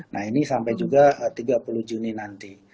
nah ini sampai juga tiga puluh juni nanti